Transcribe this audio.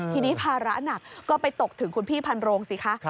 ทีนี้ภาระหนักก็ไปตกถึงคุณพี่พันโรงสิคะ